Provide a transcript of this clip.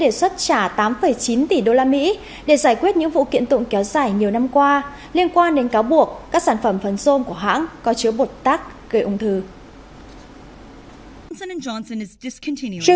hãng sản phẩm johnson johnson đã đề xuất trả tám chín tỷ đô la mỹ để giải quyết những vụ kiện tụng kéo dài nhiều năm qua liên quan đến cáo buộc các sản phẩm phấn rôm của hãng có chứa bột tac gây ung thư